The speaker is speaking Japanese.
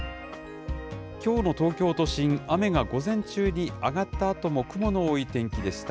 きょうの東京都心、雨が午前中に上がったあとも、雲の多い天気でした。